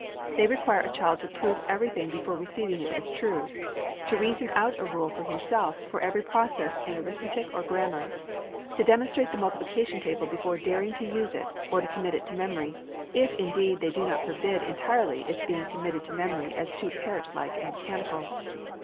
They require a child to prove everything before receiving it as true; to reason out a rule for himself for every process in arithmetic or grammar; to demonstrate the multiplication table before daring to use it, or to commit it to memory, if indeed they do not forbid entirely its being committed to memory as too parrot like and mechanical.